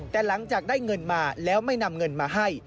แต่หลังจากได้เงินมาแล้วไม่นำเงินมาให้